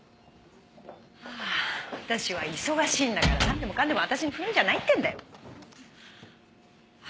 はあ私は忙しいんだからなんでもかんでも私に振るんじゃないってんだよ！